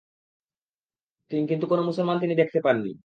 কিন্তু কোন মুসলমান তিনি দেখতে পাননি।